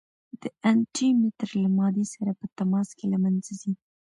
د انټي مټر له مادې سره په تماس کې له منځه ځي.